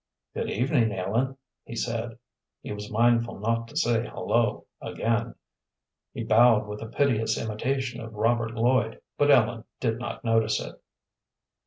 "Good evening, Ellen," he said. He was mindful not to say "Hullo" again. He bowed with a piteous imitation of Robert Lloyd, but Ellen did not notice it.